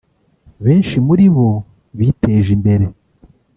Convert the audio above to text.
Benshi muri bo biteje imbere